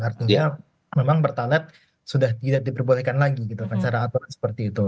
artinya memang pertalet sudah tidak diperbolehkan lagi gitu kan cara aturan seperti itu